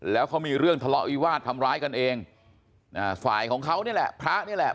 แล้วเขามีเรื่องทะเลาะวิวาสทำร้ายกันเองอ่าฝ่ายของเขานี่แหละพระนี่แหละ